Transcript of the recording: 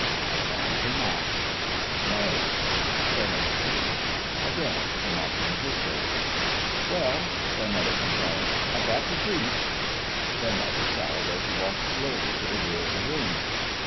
Apparently not. " No ?" Fairmeadow grieved. Again the mocking whistle. " Well," Fairmeadow complained, " I've got to preach 1 " Fairmeadow sighed as he walked slowly to the rear of the room.